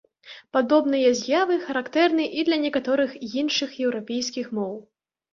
Падобныя з'явы характэрны і для некаторых іншых еўрапейскіх моў.